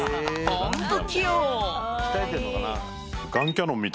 ホント器用！